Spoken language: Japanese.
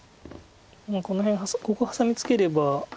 もうこの辺ここハサミツケれば。